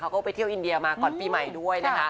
เขาก็ไปเที่ยวอินเดียมาก่อนปีใหม่ด้วยนะคะ